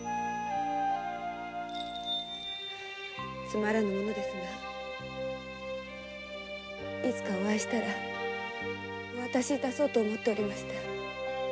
つまらぬ物ですがいつかお会いしたらお渡し致そうと思っていました。